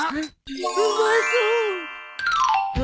うまそう。